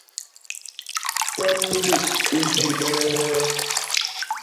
Kwem milik i mpidbene hee?